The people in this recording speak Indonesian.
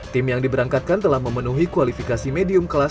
tim yang diberangkatkan telah memenuhi kualifikasi medium kelas